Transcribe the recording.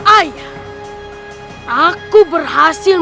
ayah aku berhasil